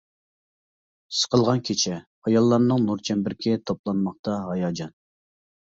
سىقىلغان كېچە، ئاياللارنىڭ نۇر چەمبىرىكى توپلانماقتا ھاياجان.